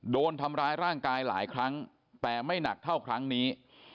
โดนทำร้ายร่างกายหลายครั้งแต่ไม่หนักเท่าครั้งนี้